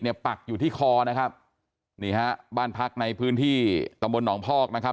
ปักอยู่ที่คอนะครับนี่ฮะบ้านพักในพื้นที่ตำบลหนองพอกนะครับ